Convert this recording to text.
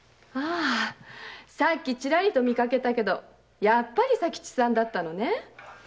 さっきちらりと見かけたけどやっぱり佐吉さんだったのね。